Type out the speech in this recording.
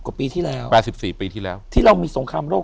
อยู่ที่แม่ศรีวิรัยิลครับ